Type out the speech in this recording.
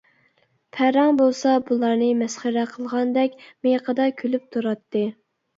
پەرەڭ بولسا بۇلارنى مەسخىرە قىلغاندەك مىيىقىدا كۈلۈپ تۇراتتى.